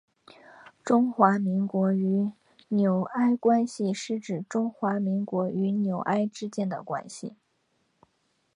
中华民国与纽埃关系是指中华民国与纽埃之间的关系。